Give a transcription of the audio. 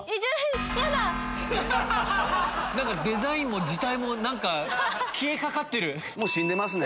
ヤダ⁉デザインも字体も消えかかってる。